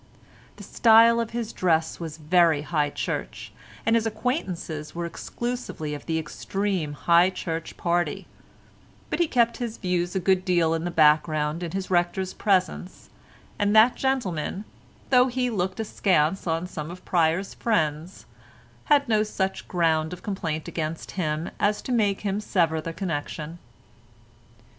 The style of his dress was very High Church, and his acquaintances were exclusively of the extreme High Church party, but he kept his views a good deal in the background in his rector's presence, and that gentleman, though he looked askance on some of Pryer's friends, had no such ground of complaint against him as to make him sever the connection.